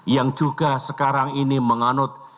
yang juga sekarang ini menganut